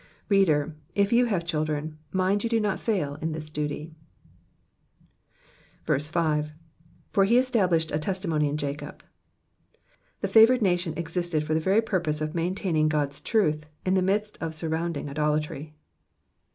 *' Reader, if you have children,' mind you do not fail in this duty. 5. '''•For he established a testimony in Jacob.'^^ The favoured nation existed for the very purpose of maintaining God's truth in the midst of surrounding idolatry.